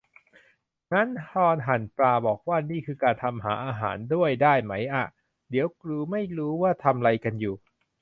งั้นตอนหั่นปลาบอกว่า "นี่คือการทำหาอาหาร" ด้วยได้ไหมอ่ะ เดี๋ยวกรูไม่รู้ว่าทำไรกันอยู่